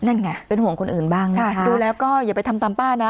นั่นไงเป็นห่วงคนอื่นบ้างนะดูแล้วก็อย่าไปทำตามป้านะ